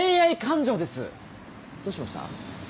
どうしました？